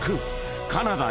カナダよ